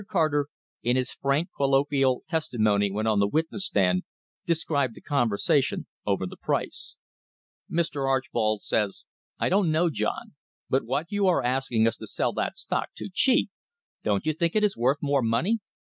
Carter, in his frank colloquial testimony when on the witness stand, described the conversation over the price: "Mr. Archbold says, 'I don't know, John, but what you are asking us to sell that stock too cheap. Don't you think it is worth more money ?'